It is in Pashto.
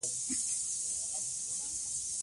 سوله د انسانانو ترمنځ اړیکې پیاوړې کوي